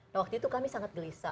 nah waktu itu kami sangat gelisah